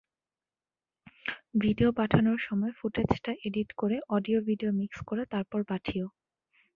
Video পাঠানোর সময় ফুটেজটা এডিট করে অডিয়ো ভিডিয়ো মিক্স করে তারপর পাঠিয়ো।